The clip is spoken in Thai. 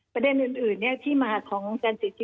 ประเด็นอื่นที่มหาคือ